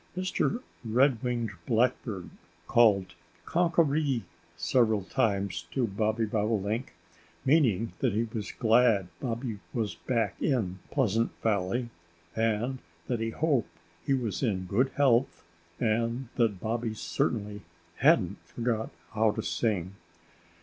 Mr. Red winged Blackbird called "Conk err ee!" several times to Bobby Bobolink, meaning that he was glad Bobby was back in Pleasant Valley and that he hoped he was in good health, and that Bobby certainly hadn't forgotten how to sing.